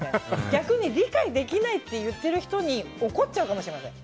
逆に理解できないって言ってる人に怒っちゃうかもしれません。